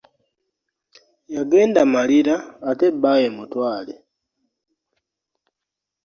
Yagenda malira ate bbaawe mutwale .